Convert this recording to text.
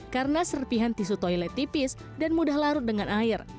karena serpihan tisu toilet tipis dan mudah larut dengan air